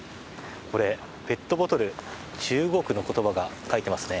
これ、ペットボトル中国の言葉が書いてますね。